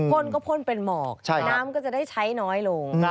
พ่นก็พ่นเป็นหมอกน้ำก็จะได้ใช้น้อยลง